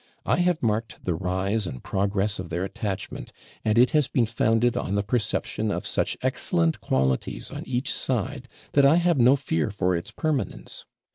I have marked the rise and progress of their attachment; and it has been founded on the perception of such excellent qualities on each side, that I have no fear for its permanence.